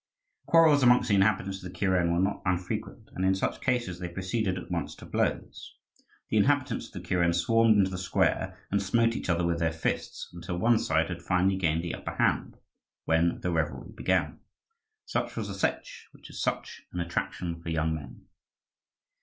Quarrels amongst the inhabitants of the kuren were not unfrequent; and in such cases they proceeded at once to blows. The inhabitants of the kuren swarmed into the square, and smote each other with their fists, until one side had finally gained the upper hand, when the revelry began. Such was the Setch, which had such an attraction for young men.